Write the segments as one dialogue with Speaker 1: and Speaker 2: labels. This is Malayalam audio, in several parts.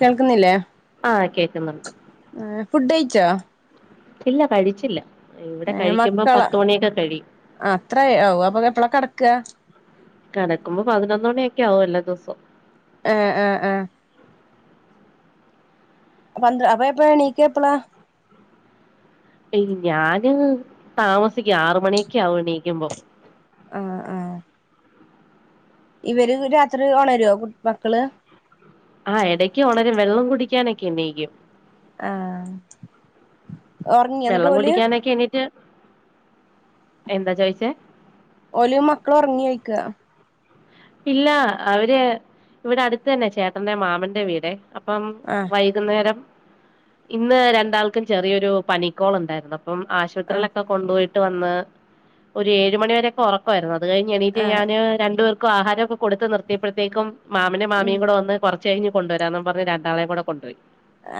Speaker 1: കേൾക്കുന്നില്ലേ?
Speaker 2: ആ. കേക്കുന്നുണ്ട്.
Speaker 1: അ ഫുഡ് കയിച്ചോ?
Speaker 2: ഇല്ല കഴിച്ചില്ല. ഇവിടെ
Speaker 1: ഏ
Speaker 2: കഴിക്കുമ്പോ
Speaker 1: മക്കള
Speaker 2: പത്ത് മണിയൊക്കെ കഴിയും
Speaker 1: അത്രയോ അപ്പൊ എപ്പളാ കിടക്ക?
Speaker 2: കിടക്കുമ്പോ പതിനൊന്ന് മണിയൊക്കെ ആവും എല്ലാദിവസം.
Speaker 1: ആ ആ ആ [unintelligible] അപ്പൊ എപ്പഴാ എണീക്ക എപ്പള?
Speaker 2: എയ് ഞാന് താമസിക്കും. ആറ് മണിയൊക്കെ ആവും എണീക്കുമ്പം.
Speaker 1: ആ ആ. ഇവര് രാത്രി ഓണരോ, കു മക്കള്?
Speaker 2: ആഹ് ഇടക്ക് ഉണരും വെള്ളം കുടിക്കാനൊക്കെ എണീക്കും.
Speaker 1: ആ.
Speaker 2: വെള്ളം കുടിക്കാനൊക്കെ എണീറ്റ് എന്താ ചോയിച്ചേ?
Speaker 1: ഓല് മക്കള് ഒറങ്ങിയോ ചോയിക
Speaker 2: ഇല്ല അവര് ഇവിടെ അടുത്ത് തന്നെ ചേട്ടന്റെ മാമന്റെ വീടെ അപ്പം
Speaker 1: ആഹ്
Speaker 2: വൈകുന്നേരം ഇന്ന് രണ്ടാൾക്കും ചെറിയൊരു പനിക്കോൾ ഉണ്ടായിരുന്നു അ അപ്പം
Speaker 1: ആഹ്
Speaker 2: ആശുപത്രിയിലൊക്കെ കൊണ്ടുപോയിട്ട് വന്ന് ഒരു ഏഴ് മണിവരൊക്കെ ഉറക്കവായിരുന്നു. അത് കഴിഞ്ഞ്
Speaker 1: ആഹ്
Speaker 2: എണീറ്റ്ഞാന് രണ്ടുപേർക്കും ആഹാരം ഒക്കെ കൊടുത്ത് നിർത്തിയപ്പോഴത്തേക്കും മാമനും മാമിയും കൂടെ വന്ന് കുറ ച്ച് കഴിഞ്ഞ്കൊണ്ടുവരാന്നും പറഞ്ഞ് രണ്ടാളെ കൂടെ കൊണ്ടപോയി.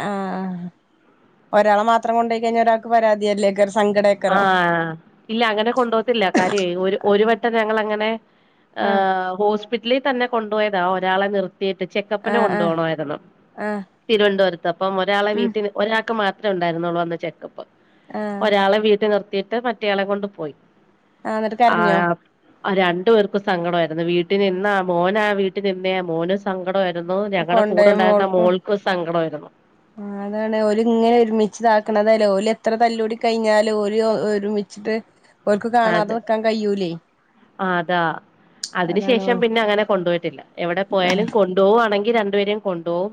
Speaker 1: ആഹ് ഒരാളെ മാത്രം കൊണ്ടോയി കഴിഞ്ഞ ഒരാൾക്ക് പരാതിയല്ലേ കരം
Speaker 2: ആ ഇല്ല അങ്ങനെ കൊണ്ടുപോകത്തില്ല കാര്യയ് ഒരു ഒരു വട്ടം ഞങ്ങളങ്ങനെ
Speaker 1: ആഹ്
Speaker 2: അഹ് ഹോസ്പിറ്റലിൽ തന്നെ കൊണ്ടുപോയതാ ഒരാളെ നിർ ത്തിട്ട് ചെക്കപ്പിന്
Speaker 1: ആഹ്
Speaker 2: കൊണ്ടു
Speaker 1: ആഹ്
Speaker 2: പോകണമായിരുന്നു
Speaker 1: ആഹ്
Speaker 2: തിരുവനന്തുരത്ത് അപ്പം ഒരാളെ
Speaker 1: ഉം
Speaker 2: വീട്ടിൽ ഒരാൾക്ക് മാത്രം ഉണ്ടായിരുന്നുള്ളു അന്ന് ചെക്കപ്പ്
Speaker 1: ആഹ്
Speaker 2: ഒരാളെ വീട്ടി നിർത്തിയിട്ട് മറ്റേയാളെ കൊണ്ട് പോയി.
Speaker 1: ആ ന്നിട്ട് കരഞ്ഞോ?
Speaker 2: ആ രണ്ടു പേർക്കും സങ്കടംആയിരുന്നു വീട്ടി നിന്നാ മോനാ വീട്ടിനിന്നയ മോനും സങ്കടായി രുന്നു ഞങ്ങളടെ കൂടെ
Speaker 1: കൊണ്ടോയ
Speaker 2: ഉണ്ടായിരുന്ന
Speaker 1: മോൾക്കും
Speaker 2: മോൾക്കൂം സങ്കടംആയിരുന്നു
Speaker 1: അതാണ് ഒരിങ്ങനെ ഒരുമിച്ചതാക്കണത് ല്ല ഓല് എത്ര തല്ലൂടി കഴിഞ്ഞാലും ഓര് ഒരുമിച്ചിട്ട് ഓർക്ക് കാണാതെ നിക്കാൻ കഴിയൂലേയ്.
Speaker 2: ആതാ അതിന്
Speaker 1: അതാണ്
Speaker 2: ശേഷം പിന്നെ അങ്ങനെ കൊണ്ടുപോയിട്ടില്ല. എവിടെ
Speaker 1: ആ
Speaker 2: പോയാലും കൊണ്ടുപോകുവാണെങ്കി രണ്ടുപേരെയും കൊണ്ടോവും.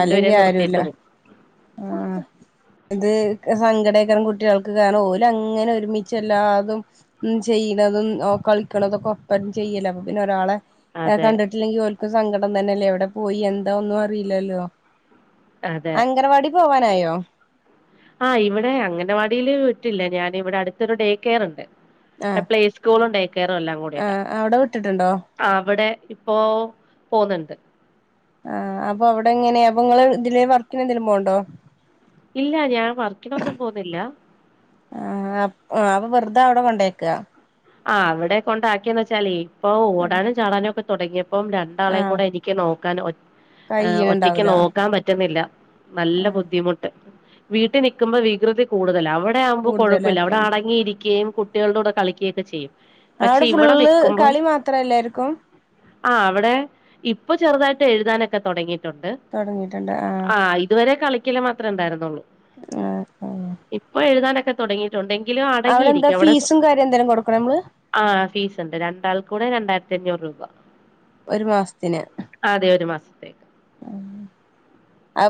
Speaker 1: അല്ലെങ്കി ആരുല്ല ആ ഇത് സങ്കടെക്കരം കുട്ടികൾക്ക് കാരണം ഓല് അങ്ങനെ ഒരുമിച്ച്ല്ലാതും ഉം ചെയ്യുന്നതും ഓ കളിക്കണതൊക്കെ ഒപ്പം ചെയ്യല അപ്പ പിന്നെ ഒരാളെ എ
Speaker 2: അതെ
Speaker 1: കണ്ടിട്ടില്ലെങ്കിൽ ഓൽക്കും സങ്കടം തന്നെയല്ലേ? എവിടെ പോയി എന്താ ഒന്നും അറിയില്ലല്ലോ.
Speaker 2: അതെ
Speaker 1: അംഗനവാടി പോവാനായോ?
Speaker 2: ആഹ് ഇവിടെ അംഗനവാടീല് വിട്ടില്ല ഞാന് ഇവിടെ അടുത്തൊരു ഡേ കെയർണ്ട്.
Speaker 1: ആ
Speaker 2: പ്ലേ സ്കൂളും ഡേ കെയറും എല്ലാം
Speaker 1: ആ
Speaker 2: കൂടിട്ടാ
Speaker 1: അവിടെ വിട്ടിട്ടുണ്ടോ
Speaker 2: അവിടെ. ഇപ്പോ പോവുന്നുണ്ട്.
Speaker 1: ആ അപ്പൊ അവിടെ എങ്ങനെ അപ്പൊ ങ്ങ്ള് ഇതിലെ വർക്കിന് എന്തെങ്കിലും പോൺണ്ടോ?
Speaker 2: ഇല്ല ഞാൻ വർക്കിനൊന്നും പോന്നില്ല.
Speaker 1: ആ അപൊ വെറുതെ അവ്ടെ കൊണ്ടേക്കാ.
Speaker 2: ആ അവിടെ കൊണ്ടാക്കിയന്ന് വെച്ചാലേ ഇപ്പൊ ഓടാനും ചാടാനോക്കെ തുടങ്ങിയപ്പോ പ്പം രണ്ടാളെം
Speaker 1: ആഹ്
Speaker 2: കൂടെ എനിക്ക് നോക്കാൻ ഒറ്റക്ക്
Speaker 1: കയ്യ്ണ്ടാവൂല
Speaker 2: നോക്കാൻ പറ്റുന്നില്ല. നല്ല ബുദ്ധിമുട്ട് വീട്ടിൽ നിക്കുമ്പോ വികൃതി കൂടുതലാവം അവിടെയാവുമ്പോ കുഴപ്പില്ല
Speaker 1: കൂടുതലാൾക്കാ
Speaker 2: അവിടെ അടങ്ങിയിരിക്കയും കുട്ടികളുടെ കൂടെ കളിക്കുകയും ഒക്കെ ചെയ്യും. പക്ഷെ
Speaker 1: അവിടെ
Speaker 2: ഇവിടെ
Speaker 1: ഫുള്ള്
Speaker 2: നിക്കുമ്പോ
Speaker 1: കളി മാത്രല്ലായിരിക്കും.
Speaker 2: ആ അവിടെ ഇപ്പൊ ചെറുതായിട്ട് എഴുതാനൊക്കെ തൊടങ്ങി ട്ടൊണ്ട്
Speaker 1: തൊടങ്ങിട്ടുണ്ട് ആഹ്
Speaker 2: ആ ഇതുവരെ കളിക്കല് മാത്രേ ഉണ്ടായിരുന്നൊള്ളു.
Speaker 1: ആഹ് ആഹ്
Speaker 2: ഇപ്പൊ എഴുതാനൊക്കെ തുടങ്ങിയിട്ടുണ്ട് എങ്കിലും
Speaker 1: അവിടെ എന്താ
Speaker 2: അടങ്ങിയിരിക്കവിടെ
Speaker 1: ഫീസും കാര്യം എന്തേലും കൊടുക്കണോ നമ്മള്
Speaker 2: ആ ഫീസ് ഉണ്ട് രണ്ടാൾ കൂടെ രണ്ടായിരത്തി അഞ്ഞൂറ് രൂപ
Speaker 1: ഒരു മാസത്തിന്
Speaker 2: അതെ ഒരു മാസത്തേക്ക്
Speaker 1: [unintelligible]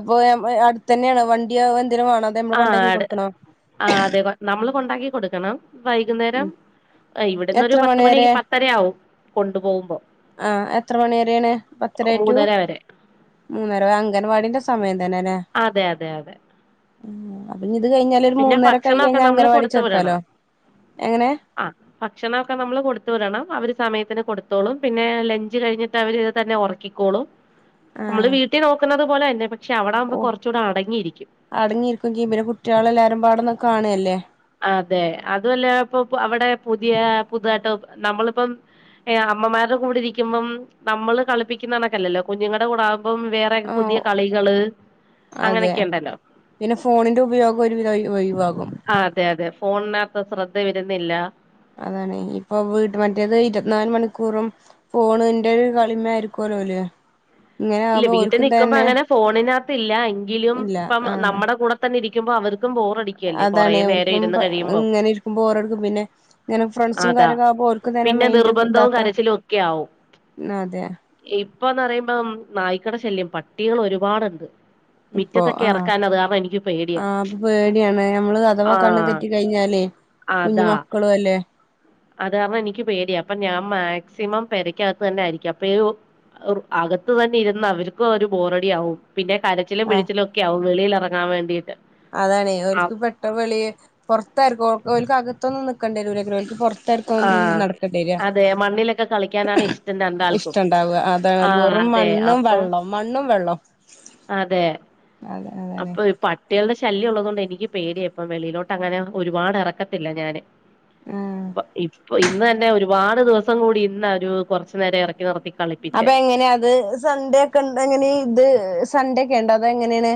Speaker 1: പ്പോ [unintelligible] അടുത്തെന്നേണോ വണ്ടിയവൻ
Speaker 2: ആ ആ അതെ നമ്മള് കൊണ്ടാക്കി കൊടുക്കണം വൈകുന്നേരം ഇവിട്ന്നൊരു
Speaker 1: എത്ര മണി
Speaker 2: പത്തുമണി പത്തരയാവും കൊണ്ടു പോവുമ്പോ.
Speaker 1: ആ എത്ര മണി വരേണ് പത്തര റ്റു
Speaker 2: മൂന്നര വരെ
Speaker 1: മൂന്നര അംഗൻവാടിന്റെ സമയം തന്നെല്ലെ
Speaker 2: അതെ അതെ അതെ
Speaker 1: അപ്പൊഞ്ഞിത് കഴിഞ്ഞാല് ഒരു
Speaker 2: പിന്നെ ഭക്ഷണൊക്കെ
Speaker 1: മൂന്നരൊക്കായിക്കഴിഞ്ഞാ
Speaker 2: നമ്മള്
Speaker 1: അംഗനവാടി
Speaker 2: കൊടുത്തു വിടണം
Speaker 1: ചേർക്കാലോ. എങ്ങനെ
Speaker 2: ആ ഭക്ഷണൊക്കെ നമ്മള് കൊടുത്ത് വിടണം. അവര് സമയത്തിന് കൊടുത്തോളും പിന്നെ ലഞ്ച് കഴിഞ്ഞിട്ട് അവര് ഇത് തന്നെ ഉറക്കിക്കോളും. നമ്മള്
Speaker 1: ആഹ്
Speaker 2: വീട്ടിൽ നോക്കുന്നത് പോലെ തന്നെ പക്ഷെ അവിടെ ആകുമ്പോ
Speaker 1: ഓ
Speaker 2: കുറച്ചുകൂടെ അടങ്ങിയിരിക്കും
Speaker 1: അടങ്ങിയിരിക്കും ചിയ്യും പിന്നെ കുട്ട്യോളെല്ലാരും പാടൊന്ന് കാണല്ലേ
Speaker 2: അതെ അതൂല്ല ഇപ്പൊപ്പൊ അവിടെ പുതിയ പുതുതായിട്ടോ നമ്മളിപ്പം ഏഹ് ആ അമ്മമാരുടെ കൂടെ ഇരിക്കുമ്പം നമ്മള് കളിപ്പിക്കുന്ന കണക്കല്ലല്ലോ കുഞ്ഞുങ്ങളുടെ കൂടെ ആ അപ്പം വേറെ പുതിയ കളികള്
Speaker 1: അതെ
Speaker 2: അങ്ങനെയൊക്കെ ഉണ്ടല്ലോ
Speaker 1: പിന്നെ ഫോണിന്റെ ഉപയോഗം ഒരുവിധം ഒയിവ്ഒയിവാകും
Speaker 2: ആ അതെ അതെ ഫോണിനാത്ത് ശ്രദ്ധ വരുന്നില്ല
Speaker 1: അതാണ് ഇപ്പൊ വീട് മറ്റേത് ഇരുവത്തിനാല് മണിക്കൂറും ഫോണിന്റൊരു കളിമ്മേയിരിക്കും [unintelligible]
Speaker 2: ഇല്ല വീട്ടിൽ നിക്കുമ്പോ അങ്ങനെ ഫോണിനകത്ത് ഇല്ല എങ്കിലും
Speaker 1: ഇല്ല
Speaker 2: ഇപ്പം
Speaker 1: ആഹ്
Speaker 2: നമ്മുടെ കൂടെ തന്നെ ഇരിക്കുമ്പോ അവർക്ക് തും ബോറടിക്കല്ലേ കൊറേ
Speaker 1: അതാണ്
Speaker 2: നേരം
Speaker 1: ഓൽക്കും
Speaker 2: ഇരുന്ന് കഴിയുമ്പോ
Speaker 1: ഇങ്ങനെ ഇരിക്കുമ്പോ ബോറടിക്കും പിന്നെ ഇങ്ങനെ ഫ്രണ്ട്സും
Speaker 2: അതാ
Speaker 1: കാര്യൊക്കെ ആകുമ്പോ ഓൽക്കും തന്നെ
Speaker 2: പിന്നെ
Speaker 1: മൈൻഡ്
Speaker 2: നിർബന്ധവും
Speaker 1: ഇതാക്കാം
Speaker 2: കരച്ചിലും ഒക്കെ ആവും
Speaker 1: അതെ
Speaker 2: ഇപ്പൊന്ന് പറയുമ്പം നായ്ക്കട ശല്യം പട്ടികൾ ഒരുപാടുണ്ട്
Speaker 1: ഇപ്പൊ
Speaker 2: മിറ്റത്തൊക്കെ
Speaker 1: ആ
Speaker 2: ഇറക്കാൻ അത് കാരണം എനിക്ക് പേടിയാ
Speaker 1: ആപ്പൊ പേടിയാണ് ഞമ്മള് അഥവാ
Speaker 2: ആ
Speaker 1: കണ്ണ് തെറ്റി കഴിഞ്ഞാലേ
Speaker 2: അതാ
Speaker 1: കുഞ്ഞ്മക്കളും അല്ലേ
Speaker 2: അത് കാരണം എനിക്ക് പേടിയ അപ്പൊ ഞാൻ മാക്സിമം പെരക്കകത്ത് തന്നായിരിക്കും അപ്പൊ ഈ ഓ അഗ വന്നു ഇരുന്ന് അവർക്കും ഒരു ബോറടിയാവും പിന്നെ കരച്ചിലും പിഴിച്ചിലും ഒക്കെ ആവും വെളിയിൽ ഇറങ്ങാൻ വേണ്ടി
Speaker 1: അതാണെയ് ഓൽക്ക് പെട്ട വെളിയ പൊറത്തായിരിക്കും ഓർക് അകത്ത് തൊന്നും നിക്കണ്ടേ [unintelligible] ഓൽക്ക് പൊറ
Speaker 2: ആഹ് അതെ മണ്ണിലൊക്കെ കളിക്കാനാണ്
Speaker 1: [unintelligible]
Speaker 2: ഇഷ്ടം രണ്ടാൾക്കും
Speaker 1: ഇഷ്ടണ്ടാവാ അതാണ്
Speaker 2: ആഹ്
Speaker 1: വെറും
Speaker 2: അതെ
Speaker 1: മണ്ണും
Speaker 2: അപ്പൊ
Speaker 1: വെള്ളം മണ്ണും വെള്ളം
Speaker 2: അതെ
Speaker 1: അതെ അതാണ്
Speaker 2: അപ്പൊ ഇ പ പട്ടികളുടെ ശല്യള്ളത്കൊണ്ട് എനിക്ക് പേടിയപ്പൊ വെളിയിലോട്ടങ്ങനെ ഒരുപാട് ഇറക്കത്തില്ല ഞാന്
Speaker 1: ആഹ്
Speaker 2: ഇപ ഇപ്പൊ ഇന്ന് തന്നെ ഒരുപാട് ദിവസം കൂടിയിരുന്നാ ഒരു കൊറച്ച് നേരം ഇറക്കി നിർത്തി കളിപ്പിച്ചേ
Speaker 1: അപ്പൊ എങ്ങനെയത് സൺഡേ ഒക്കെണ്ട് എങ്ങനെ ഇത് സണ്ടേ ഒക്കെണ്ടോ അതൊങ്ങനേണ്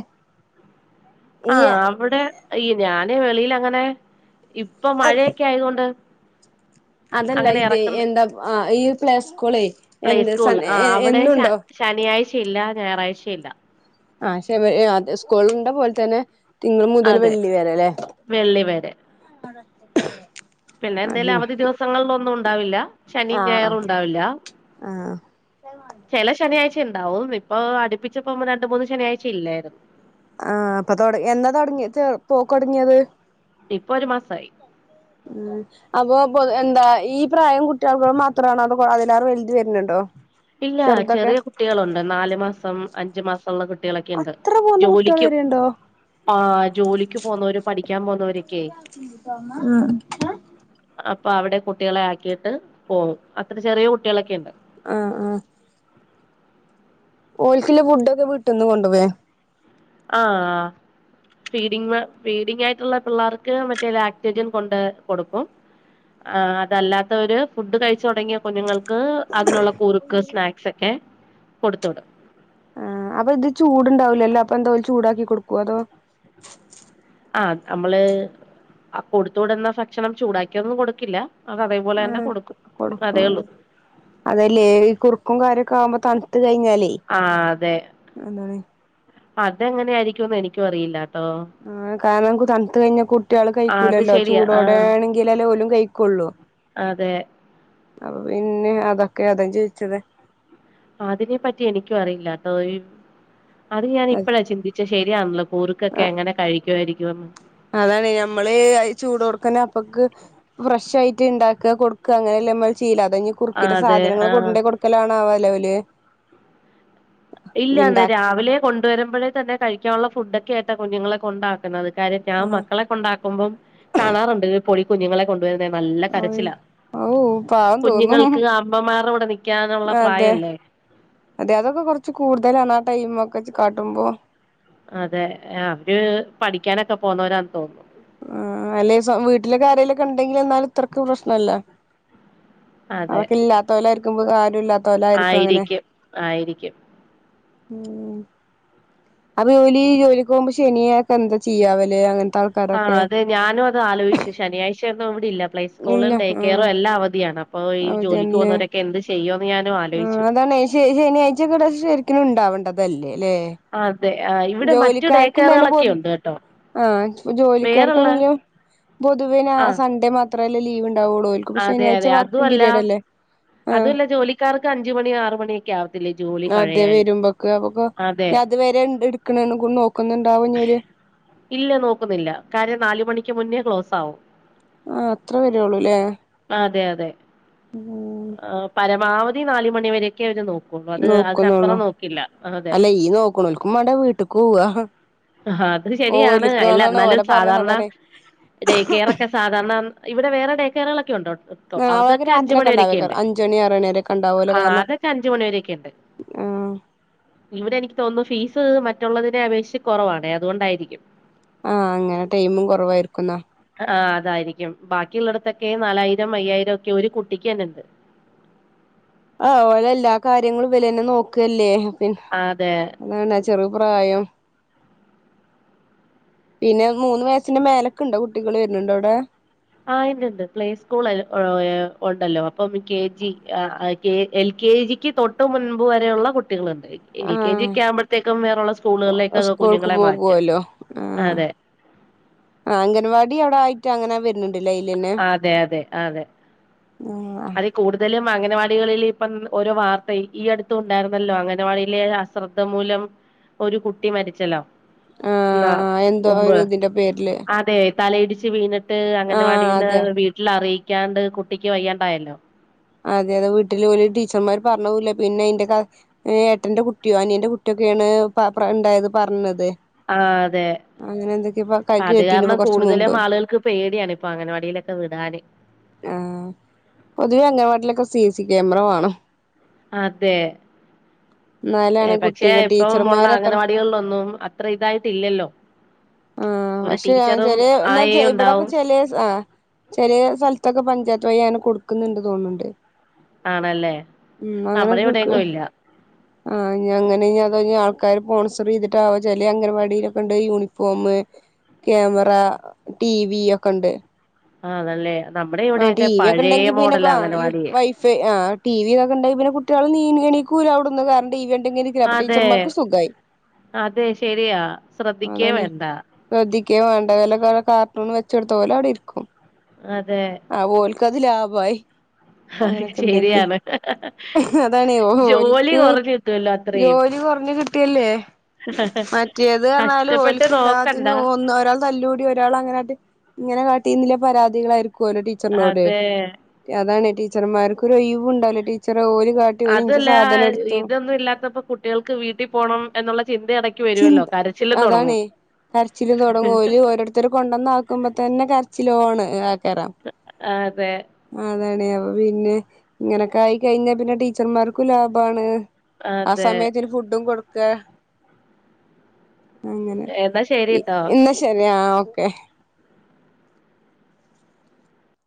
Speaker 2: ആ അവിടെ ഈ ഞാന് വെളിൽ അങ്ങനെ ഇപ്പൊ മഴയൊക്കെ ആയത് കൊണ്ട്
Speaker 1: അതല്ല
Speaker 2: അങ്ങനെ
Speaker 1: ഇത്
Speaker 2: എറക്ക്ന്ന്
Speaker 1: എന്താ ഈ പ്ലേ സ്കൂളേ
Speaker 2: പ്ലേ
Speaker 1: എന്ത് സൺ
Speaker 2: സ്കൂളില് ആ അവിടെ ശ
Speaker 1: എന്നുണ്ടോ
Speaker 2: ശനിയാഴ് ഇല്ല ഞായറായ്ചയില്ല
Speaker 1: ആ [unintelligible] അത് സ്കൂള്ണ്ട പോലെ തന്നെ തിങ്കൾ മുതൽ
Speaker 2: അതെ
Speaker 1: വെള്ളി വരെ ലേ
Speaker 2: വെള്ളി വരെ പിന്നെ എന്തേലും അവധി ദിവസങ്ങളിലൊന്നും ഉണ്ടാവില്ല ശനിയും
Speaker 1: ആഹ് ആഹ്
Speaker 2: ഞായറുണ്ടാവില്ല
Speaker 1: ആഹ്
Speaker 2: ചെല ശനിയാഴ്ച റ്റ് എണ്ടാവോ വി ഇപ്പൊ അടുപ്പിച്ചിപ്പോ രണ്ട് മൂന്ന് ശനിയാഴ്ച ഇല്ലാരുന്നു
Speaker 1: ആ അപ്പൊ തുട എന്നാ തൊടങ്ങിയത് പോക്കൊടങ്ങിയത്
Speaker 2: ഇപ്പൊ ഒരു മാസായി
Speaker 1: ഊം അപ്പൊ പൊതു എന്താ ഈ പ്രായം കുട്ടികൾക്കും മാത്രാണോ അത് പോ [unintelligible] എൽതി വരുണുണ്ടോ
Speaker 2: ഇല്ല ചെറിയ കുട്ടികളൊണ്ട് നാലു മാസം അഞ്ചു മാസം ഒള്ള കുട്ടികളെക്കെ ഇണ്ട്
Speaker 1: അത്ര പോന്ന കുട്ടികൾ
Speaker 2: ജോലിക്കും
Speaker 1: വരെയുണ്ടോ
Speaker 2: ആ ജോലിക്ക് പോകുന്നവരുംപഠിക്കാൻ പോകുന്നവരൊക്കെയ അപ്പൊ അവിടെ കുട്ടികളെ ആക്കീട്ട് പോകും അത്ര ചെറിയ കുട്ടിളെക്കെ ഇണ്ട്
Speaker 1: ആ ആ ഓൽക്കില ഫുഡൊക്കെ വീട്ടിന്ന് കൊണ്ടു പോയ
Speaker 2: ആ ഫീഡിങ് ഫീഡിങ്ങായിട്ടുള്ള പിള്ളേർക്ക് മറ്റേത് ആക്ടജൻ കൊണ്ട് കൊടുക്കും ആ അതല്ലാത്തവർ ഫുഡ് ക ഴിച്ചൊടങ്ങിയ കുഞ്ഞുങ്ങൾക്ക് അതിനൊള്ള കുറുക്ക് സ്നാക്സെക്കെ കൊടുത്ത് വിടും
Speaker 1: ആ അപ്പൊ ഇത് ചൂട്ണ്ടാവൂലല്ലോ അപ്പൊ എന്തോല് ചൂടാക്കി കൊടുക്കുവോ അതോ
Speaker 2: ആ നമ്മള് അ കൊടുത്ത് വിടുന്ന ഭക്ഷണം ചൂടാക്കിയൊന്നും കൊടുക്കില്ല അത് അതേപോലെ തന്നെ
Speaker 1: ഉം..
Speaker 2: കൊടുക്കും അതേ
Speaker 1: കൊടുക്കും
Speaker 2: ഉള്ളൂ
Speaker 1: അതല്ലേ ഈ കുറുക്കും കാര്യൊക്കെ ആവുമ്പോ- തണുത്ത്കഴിഞ്ഞ.
Speaker 2: ആ.. അതെ അതെങ്ങനെയാ- യിരിക്കുന്ന് എനിക്കും അറിയില്ല.
Speaker 1: ആ കാരണം ക്കു തണു കഴിഞ്ഞ- കുട്ടികളു
Speaker 2: ആ അത്
Speaker 1: കഴിക്കൂലല്ലോ,
Speaker 2: ശരിയാ ആ
Speaker 1: ചൂടോടെ ആണെങ്കിലല്ലേ ഓലും- കഴിക്കോള്ളൂ.
Speaker 2: അതെ!
Speaker 1: അപ്പൊ പിന്നെ അതൊക്കെ അതാ.. ചോയിച്ചത്.
Speaker 2: അതിനെ പറ്റി എനിക്കും അറിയില്ലാട്ടോ, ഇ.. അതിന് ഞാൻ ഇപ്പഴാ ചിന്തിച്ചെ ശരിയാണല്ലോ. കൂർക്കെക്കെ എങ്ങനെ കഴിക്കു- ആയിരിക്കും.
Speaker 1: അതാണ് ഞമ്മള് ഏ.. ചൂട് കൊടുക്കുനെ, അപ്പക്ക് ഫ്രഷ്- ആയിട്ട് ഇണ്ടാക്ക കൊടുക്ക അങ്ങനെല്ലമ്മ അത് ചെ- ശീല അതഴിഞ്ഞ് കുറക്കീട്ട്,
Speaker 2: അതെ
Speaker 1: സാധനങ്ങള്
Speaker 2: ആ
Speaker 1: കൊണ്ടേ- കൊടുക്കലാണാ അവലവല്?
Speaker 2: ഇല്ലാന്ന് രാവിലെ കൊണ്ടുവരുമ്പോഴേ തന്നെ, കഴിക്കാനുള്ള ഫുഡെക്കെ ആയിട്ടാ കുഞ്ഞുങ്ങളെ കൊണ്ടാക്കുന്നത്. ക്രാക്റ്റ്, ഞാൻ
Speaker 1: ആ
Speaker 2: മക്കളെ- കൊണ്ടാക്കുമ്പോം കാണാറൊണ്ട് പൊടി ക്കുഞ്ഞുങ്ങളെ. അതന്നെ നല്ല കരച്ചിലാ..
Speaker 1: ഔ പാവം ! തോന്നും
Speaker 2: കുഞ്ഞിങ്ങൾക്ക് അമ്മമാരോട് -
Speaker 1: അതെ.. അതെ.. അതൊക്കെ കൊറച്- ച്ചി കൂടുതലാണ്, ആ ടൈമൊക്കെ- ച്ചി കാട്ടുമ്പോ.
Speaker 2: അതെ, ആ.. അവര് പഠിക്കാനെക്ക- പോന്നോരാന്ന് തോന്നുന്നു.
Speaker 1: ആ അല്ലെ സ വീട്ടിലെക്കേ- ആരേലെക്കേ ഒണ്ടെങ്കില് എന്നാലും ഇത്രക്ക് പ്രശ്നൊല്ല.
Speaker 2: അതെ
Speaker 1: അവർക്കില്ലാത്ത പോലാരിക്കുമ്പോ- കാര്യുല്ലാ.
Speaker 2: ആയിരിക്കും.. ആയിരിക്കും.. !
Speaker 1: അത് ജോലി ജോലിക്കോകുമ്പ- ശനിയേക്ക എന്താ ചെയ്യാ? വെല്ലേ- അങ്ങന-
Speaker 2: ആ അതെ ഞാനും അത് ആലോചിച്ചു, ശനിയാഴ്ചെന്തോ ഇവിടില്ല. പ്ലേ
Speaker 1: ഇല്ല
Speaker 2: സ്കൂളും, ഡേ കെയറു
Speaker 1: ആഹ്
Speaker 2: എല്ലാം അവധിയാണ്. അപ്പോ ഈ- ജോലിക്ക് പോവുന്നോരെക്കെ എന്ത് ചെയ്യോ?
Speaker 1: ആ അതാണേ ഈ ശനിയാഴ്ചെക്കി വട ശരിക്കിനുണ്ടാവേണ്ടതല്ലേ..? ല്ലേ?
Speaker 2: അതെ ആ ഇവിടെ മറ്റു ഡേ
Speaker 1: ജോലിക്കാർക്കും തന്നെ
Speaker 2: കെയറുകളൊക്കെ ഉണ്ട് കേട്ടോ
Speaker 1: ആ ജോ-
Speaker 2: വേറുള്ള
Speaker 1: ജോലിക്കാർക്കാണെങ്കിലും, പൊതുവേ ഞാ
Speaker 2: ആ
Speaker 1: സൺഡേ മാത്രേല്ലേ ലീവ്ണ്ടാവൂള്ളൂ. ഓല്ക്കു പക്ഷേ- ശനിയാഴ്ച വർക്കിംഗ് പിരീഡ് അല്ലേ.
Speaker 2: അതു
Speaker 1: ആഹ്
Speaker 2: അല്ല ജോലിക്കാർക്ക് അഞ്ചുമണി, ആറ് മണീ, ക്കേ- ആവത്തില്ലേ ജോലി
Speaker 1: അതെ
Speaker 2: കഴയാനും.
Speaker 1: വരുമ്പോക്ക് അപ്പൊക്കെ
Speaker 2: അതേ!
Speaker 1: അത് വരെ എൺ എടുക്കണേണ്- ഗുൺനോ?
Speaker 2: ഇല്ല നോക്കുന്നില്ല, കാര്യം നാല്- മണിക്ക് മുന്നേ ക്ലോസ് ആവും.
Speaker 1: ആ... അത്ര വരേള്ളൂല്ലേ.
Speaker 2: അതെ അതെ ആ പരമാവധി നാല് മണിവരൊക്കെ അവര് നോക്കു. പ്പോ.. അത്
Speaker 1: നോക്കുന്നുള്ളൂ
Speaker 2: അതിനപ്പുറം നോക്കില്ല. അതെ!
Speaker 1: അല്ല ഈ നോക്കണോൽക്കും വേണ്ടേ വീട്ട്ക്ക് പോവാ
Speaker 2: ഹ.. അത് ശരിയാണ് അല്ല
Speaker 1: ഓൽക്കാന്നാണ്
Speaker 2: എന്നാലും
Speaker 1: ഓലെ പറഞ്ഞ
Speaker 2: സാധാരണ
Speaker 1: അതാണേ
Speaker 2: ഡേ. കെയർ ഒക്കെ, സാധാരണ. ഇവിടെ വേറെ ഡേക്കറുകളൊക്കെ- ഒണ്ടോട്ടോ
Speaker 1: ആകെ
Speaker 2: അതൊക്കെ അഞ്ചു-
Speaker 1: രാത്രിയൊക്കെ
Speaker 2: മണിരെ- എണ്ട്
Speaker 1: ഉണ്ടാവേക്കാരം അഞ്ചണി ആറണിവരെക്കെ ഉണ്ടാവോലോ
Speaker 2: ആ..
Speaker 1: കാരണം
Speaker 2: അതൊക്കെ അഞ്ച് മണി വരേക്കെ ഇണ്ട്.
Speaker 1: ആഹ്
Speaker 2: ഇവിടെ എനിക്ക് തോന്നുന്നു ഫീസ്, മറ്റുള്ളതിനെ അപേക്ഷിച്ച് കൊറവാണേ.. അതുകൊണ്ടായിരിക്കും.
Speaker 1: ആഹ അങ്ങനെ ടൈമും കുറവായിരിക്കുന്നാ.
Speaker 2: ആ അതായിരിക്കും. ബാക്കിയള്ളിടത്തൊക്കെ നാലായിരം, അയ്യായിരം ഒക്കെ ഒരു കുട്ടിക്ക് തന്നെ ഉണ്ട്.
Speaker 1: ആ.. ഓല എല്ലാ കാര്യങ്ങളും വിര- തന്നെ നോക്കല്ലേ.
Speaker 2: അതെ
Speaker 1: പിന്നെ.. [unintelligible] പ്രായം. പിന്നെ മൂന്ന് വയസിന്റെ- മേലൊക്കുണ്ടോ? കുട്ടികൾ വരുന്നുണ്ടോ, അവിടെ?
Speaker 2: ആ.. ഇണ്ട് ഇണ്ട് പ്ലേ സ്കൂൾ- ഉണ്ടല്ലോ അപ്പം കെ. ജി. എ- കെ. ജി. ക്ക് തൊട്ട് മുൻമ്പ് വരെ ഉള്ള - കുട്ടികളുണ്ട് എൽ. കെ. ജിക്ക്-
Speaker 1: ആഹ്
Speaker 2: ആകുമ്പോഴത്തേക്കും വേറള്ള സ്കൂളുകളിലേക്കൊക്കെ-
Speaker 1: സ്കൂൾക്ക്
Speaker 2: കുഞ്ഞുങ്ങളെ മാറ്റും.
Speaker 1: പോകുവല്ലോ ആഹ്
Speaker 2: അതെ.. ! [unintelligible]
Speaker 1: ആ... അംഗൻവാടി അവിടെ ആയിട്ട് അങ്ങനെ വരുന്നുണ്ട്.
Speaker 2: അതെ... അതെ... അതെ. അതികൂടുതലും- അംഗനവാടികളിൽ ഇപ്പം ഓരോ- വാർത്ത ഈ അടുത്ത ഉണ്ടായിരുന്നല്ലോ. അംഗനവാടിയിലെ അശ്രദ്ധ മൂലം- ഒരു കുട്ടി മരിച്ചലോ
Speaker 1: ആ
Speaker 2: എന്നാ
Speaker 1: എന്തോ
Speaker 2: മുമ്പ്.
Speaker 1: ഒരു ഇതിന്റെ പേരില്
Speaker 2: അതെ.. ! തലയിടിച്ച് വീണിട്ട്
Speaker 1: ആ
Speaker 2: അങ്ങനവാടിന്ന്-
Speaker 1: അതെ
Speaker 2: വീട്ടിൽ അറിയിക്കാണ്ട് കുട്ടിക്ക് വയ്യാണ്ടായല്ലോ.
Speaker 1: അതെ.. അതെ വീട്ടിൽല ടീച്ചർമാർ പറഞ്ഞൂല്ല പിന്നെ എന്റെ ഏട്ടന്റെ കുട്ടിയോ, അനിയന്റെ കുട്ടികോ- [unintelligible] ഉണ്ടായത് പറഞ്ഞത്
Speaker 2: ആ അതെ
Speaker 1: അങ്ങനെ എന്തൊക്കെ പ
Speaker 2: അത്
Speaker 1: കേട്ടീന്
Speaker 2: കാരണം
Speaker 1: ഇപ്പൊ കൊറച്ച് മുമ്പ്
Speaker 2: കൂടുതലും ആളുകൾക്ക് പേടിയാണ് ഇപ്പൊ അങ്ങനവാടിയിലൊക്കെ വിടാന്
Speaker 1: [unintelligible] പൊതുവെ അങ്ങനവാട്ടിലൊക്കെ സിസി ക്യാമറ വാണം
Speaker 2: അതെ
Speaker 1: എന്നാലാണ്
Speaker 2: ഏ പക്ഷെ
Speaker 1: കുട്ടിക
Speaker 2: ഇപ്പം ഉള്ള
Speaker 1: ടീച്ചർമാര് അത്ര
Speaker 2: അംഗനവാടികളിലൊന്നും അത്ര ഇതായിട്ടില്ലല്ലോ?
Speaker 1: ആഹ്
Speaker 2: ഒരു
Speaker 1: പക്ഷെ
Speaker 2: ടീച്ചറും
Speaker 1: ചെറിയ എന്നാ
Speaker 2: ആയേ
Speaker 1: ഇവിടൊക്കെ
Speaker 2: ഉണ്ടാവും
Speaker 1: ചെലെ ആ ചെലെസ്ഥലത്തൊക്കെ പഞ്ചായത്ത് വഴി അങ്ങനെ കൊടുക്കുന്നുണ്ട് തോന്ണ്ണ്ണ്ട്
Speaker 2: ആണല്ലേ നമ്മുടെ
Speaker 1: ക്
Speaker 2: ഇവിടെയങ്ങും ഇല്ല.
Speaker 1: ആഹ് ഞഅങ്ങനെ അത ആൾക്കാര് സ്പോൺസർ ചെയ്തിട്ടാവോ ചെല അങ്ങനവാടിയിലൊക്കെ ഉണ്ട് യൂണിഫോം ക്യാമറ, ടി. വി ഒക്കെ ഉണ്ട്
Speaker 2: ആണെല്ലേ
Speaker 1: ആ ടി. വി ഒക്കെ ഉണ്ടെങ്കി പിന്നെ [unintelligible]
Speaker 2: അംഗനവാടിയെ
Speaker 1: വൈഫൈ ആ ടി. വി ഒക്കെ ഉണ്ടെങ്കി പിന്നെ [unintelligible] കുട്ടികൾ [unintelligible] എണിക്കൂല്ലഅവിടുന്നു കാരണം ടി. വി കണ്ട്ങ്ങനെ ഇരിക്ക അപ്പോ
Speaker 2: അതെ
Speaker 1: ടീച്ചർമാർക്ക് സുഖായി
Speaker 2: അതെ ശരിയാ ശ്രദ്ധിക്കേ വേണ്ട.
Speaker 1: ഓലക്കെ കാർട്ടൂണ്‌വെച്ചെടുത്ത ഓലഅവിടെ ഇരിക്കും.
Speaker 2: അതെ
Speaker 1: ആഓൽക്കതി ലാഭമായി. അങ്ങനെയൊക്കെ ഉണ്ടെങ്കി
Speaker 2: ശരിയാണ്
Speaker 1: അതാണ്
Speaker 2: ജോലി
Speaker 1: ഓലക്ക്
Speaker 2: കൊറഞ്ഞ് കിട്ടുവല്ലോ അത്രയും
Speaker 1: [unintelligible] കുറഞ്ഞഞ് കിട്ടിയല്ലേ മറ്റേത് പറഞ്ഞാല്
Speaker 2: കഷ്ടപ്പെട്ട്
Speaker 1: ഓലക്ക്
Speaker 2: നോക്കണ്ട
Speaker 1: എല്ലാത്തിനും ഒന്ന് ഒരാൾ തല്ലുകൂടി, ഒരാൾ അങ്ങനാട്ടി ഇങ്ങനെ [unintelligible] പാരാതികളായിരികോലെ ടീച്ചർനോട്
Speaker 2: അതെ
Speaker 1: അതാണ് ടീച്ചർമാർക്ക് ഒര് ഒയിവുണ്ടാകൂല
Speaker 2: അതല്ല ഇതൊന്നും ഇല്ലാത്തപ്പോ കുട്ടികൾക്ക് വീട്ടിൽ പോണം എന്നുള്ള ചിന്ത [unintelligible]
Speaker 1: ചിന്ത
Speaker 2: കരച്ചിലും തൊടങ്ങും
Speaker 1: അതാണ് കരച്ചിലും തുടങ്ങും ഓര് ഓരോരുത്തർ കൊണ്ടന്ന് ആക്കുമ്പോതന്നെ [unintelligible] [unintelligible]
Speaker 2: [unintelligible] ആ അതെ
Speaker 1: [unintelligible] അപ്പൊ പിന്നെ ഇങ്ങനൊക്കെ ആയിക്കഴിഞ്ഞാൽ പിന്നെ ടീച്ചർമാർക്കും ലാഭമാണ്. ആ
Speaker 2: അതെ
Speaker 1: സമയത്തിന് ഫുഡും കൊടുക്ക അങ്ങനെ
Speaker 2: എന്നാ
Speaker 1: ഇ
Speaker 2: ശരിട്ടോ
Speaker 1: ഇന്ന് ശരിയാ ഓക്കെ